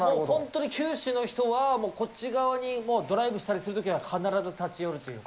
本当に九州の人は、こっち側にもう、ドライブしたりするときは、必ず立ち寄る。